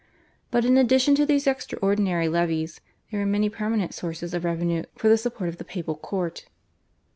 But in addition to these extraordinary levies there were many permanent sources of revenue for the support of the Papal Court.